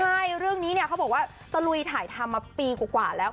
ใช่เรื่องนี้เนี่ยเขาบอกว่าตะลุยถ่ายทำมาปีกว่าแล้ว